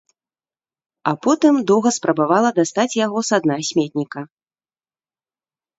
А потым доўга спрабавала дастаць яго са дна сметніка.